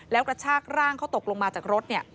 แล้วกระชากร่างเขาตกลงมาจากรถ